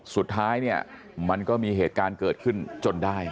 สุดท้ายเนี่ยมันก็มีเหตุการณ์เกิดขึ้นจนได้